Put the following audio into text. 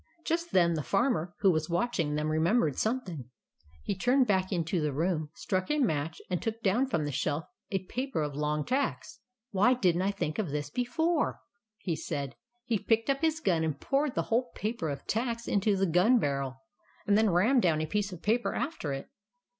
Just then the Farmer, who was watching them, remem bered something. He turned back into the TRICKS OF THE BAD WOLF 155 room, struck a match, and took down from the shelf a paper of long tacks. " Why did n't I think of this before ?" he said. He picked up his gun and poured the whole paper of tacks into the gun barrel, and then rammed down a piece of paper after it.